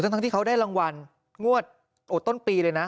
ทั้งที่เขาได้รางวัลงวดต้นปีเลยนะ